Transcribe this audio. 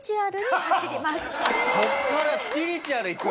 ここからスピリチュアルいく？